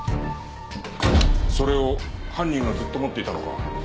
それを犯人がずっと持っていたのか？